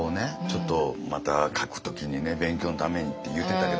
ちょっとまた書く時にね勉強のためにって言ってたけどうそでしょ？